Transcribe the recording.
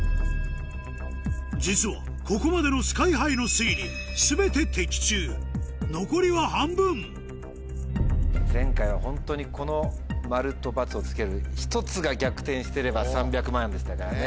実はここまでのＳＫＹ−ＨＩの残りは半分前回はホントにこの「○」と「×」をつける１つが逆転してれば３００万でしたからね。